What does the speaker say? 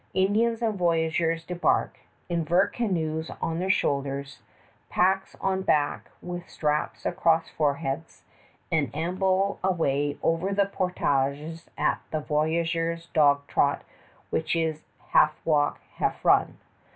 Indians and voyageurs debark, invert canoes on their shoulders, packs on back with straps across foreheads, and amble away over the portages at that voyageurs' dog trot which is half walk, half run.